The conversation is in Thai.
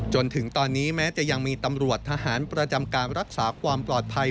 จนถึงตอนนี้แม้จะยังมีตำรวจทหารประจำการรักษาความปลอดภัย